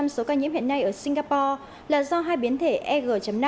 bảy mươi năm số ca nhiễm hiện nay ở singapore là do hai biến thể eg năm